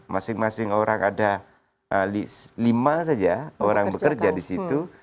masing masing orang ada lima saja orang bekerja di situ